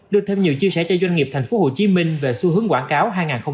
đưa thêm nhiều chia sẻ cho doanh nghiệp tp hcm về xu hướng quảng cáo hai nghìn hai mươi